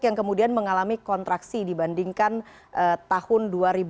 yang kemudian mengalami kontraksi dibandingkan tahun dua ribu dua puluh